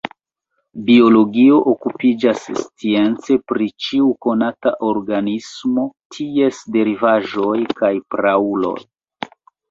Biologio okupiĝas science pri ĉiu konata organismo, ties derivaĵoj kaj prauloj.